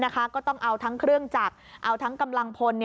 ก็ต้องเอาทั้งเครื่องจักรเอาทั้งกำลังพล